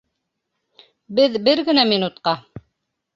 Беҙ бер генә минутҡа.